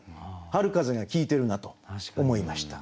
春風が効いてるなと思いました。